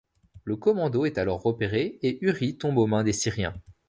Le commando est alors repéré et Uri tombe aux mains des Syriens.